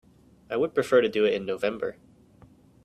I would prefer to do it in November.